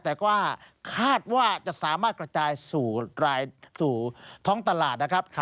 แต่ว่าคาดว่าจะสามารถกระจายสู่ท้องตลาดนะครับ